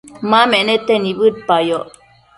ma menete nibëdpayoc